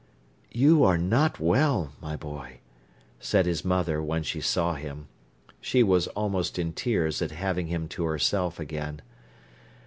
"You are not well, my boy," said his mother, when she saw him. She was almost in tears at having him to herself again.